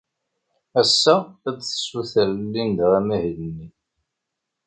Ass-a, ad tessuter Linda amahil-nni.